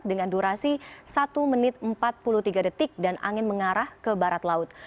dengan durasi satu menit empat puluh tiga detik dan angin mengarah ke barat laut